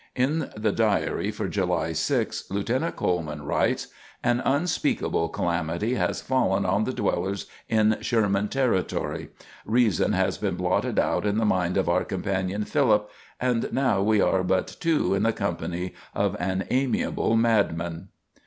In the diary for July 6, Lieutenant Coleman writes: "An unspeakable calamity has fallen on the dwellers in Sherman Territory. Reason has been blotted out in the mind of our companion Philip, and now we are but two in the company of an amiable madman."